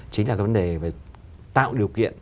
chính là vấn đề về tạo điều kiện